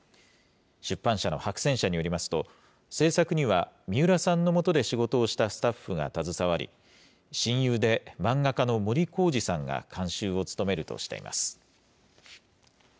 出版社の白泉社によりますと、制作には三浦さんのもとで仕事をしたスタッフが携わり、親友で漫画家の森恒二さんが監修を務めるとしています。